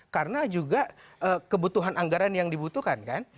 karena juga kebutuhan anggaran yang dibutuhkan kan